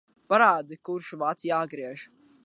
Parādi, kurš vads jāgriež.